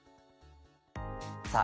さあ